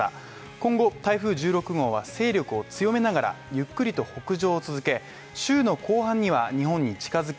今後、台風１６号は勢力を強めながらゆっくりと北上を続け週の後半には日本に近づき